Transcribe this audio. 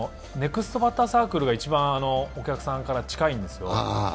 ネクストバッターサークルが一番お客さんから近いんですよ。